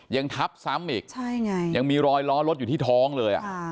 ยังทับซ้ำอีกใช่ไงยังมีรอยล้อรถอยู่ที่ท้องเลย